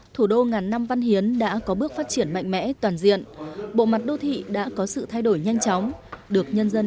thủ đô ngàn năm văn hiến đã có bước phát triển mạnh mẽ toàn diện